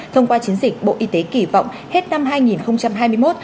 thông qua chiến dịch bộ y tế kỳ vọng hết năm hai nghìn hai mươi một